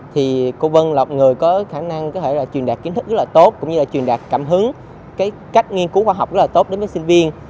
thì cô vân là một người có khả năng có thể là truyền đạt kiến thức rất là tốt cũng như là truyền đạt cảm hứng cái cách nghiên cứu khoa học rất là tốt đến với sinh viên